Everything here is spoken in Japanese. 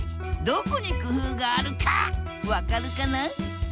どこに工夫があるか分かるかな？